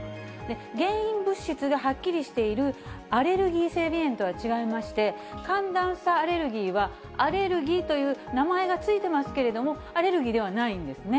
原因物質がはっきりしているアレルギー性鼻炎とは違いまして、寒暖差アレルギーは、アレルギーという名前が付いてますけれども、アレルギーではないんですね。